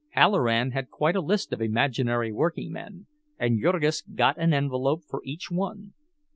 Halloran had quite a list of imaginary workingmen, and Jurgis got an envelope for each one.